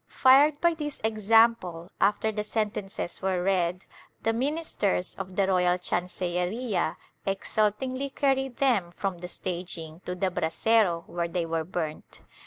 Fired by this example, after the sentences were read, the ministers of the royal chancelleria exultingly carried them from the staging to the brasero where they were burnt.